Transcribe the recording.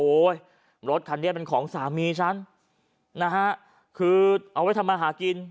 รถคันนี้เป็นของสามีฉันนะฮะคือเอาไว้ทำมาหากิน